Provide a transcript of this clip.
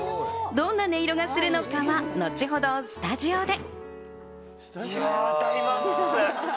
どんな音色がするのかは、後ほどスタジオで。